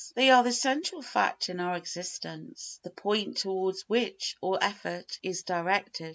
They are the central fact in our existence, the point towards which all effort is directed.